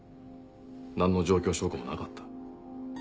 何の状況証拠もなかった。